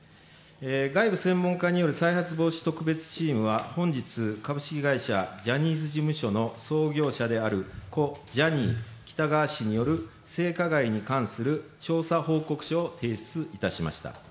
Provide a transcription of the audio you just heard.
外務専門家による再発防止特別チームは本日、株式会社ジャニーズ事務所の創業者である故ジャニー喜多川氏による性加害に関する調査報告書を提出いたしました。